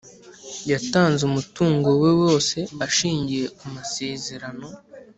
yatanze umutungo we wose ashingiye kumasezerano.